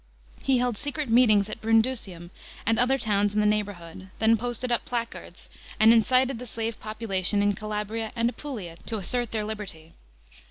He held secret meetings at Bnmdusium and other towns in the neighbourhood ; then posted up placards, and incited the slave population in Calabria and Apulia to assert their liberty.